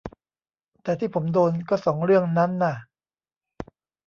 แต่ที่ผมโดนก็สองเรื่องนั้นน่ะ